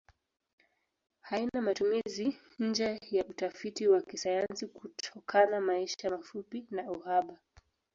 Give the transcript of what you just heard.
Haina matumizi nje ya utafiti wa kisayansi kutokana maisha mafupi na uhaba.